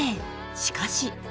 しかし。